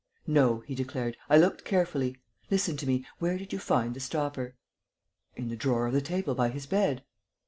"No," he declared. "I looked carefully. Listen to me. Where did you find the stopper?" "In the drawer of the table by his bed."